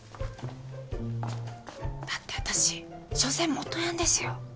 だって私しょせん元ヤンですよ。